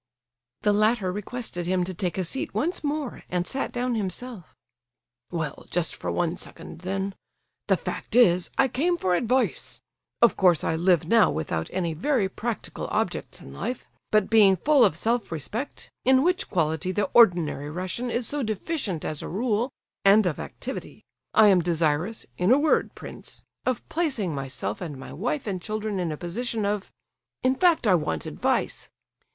The latter requested him to take a seat once more, and sat down himself. "Well—just for one second, then. The fact is, I came for advice. Of course I live now without any very practical objects in life; but, being full of self respect, in which quality the ordinary Russian is so deficient as a rule, and of activity, I am desirous, in a word, prince, of placing myself and my wife and children in a position of—in fact, I want advice."